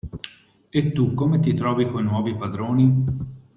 E tu come ti trovi coi nuovi padroni?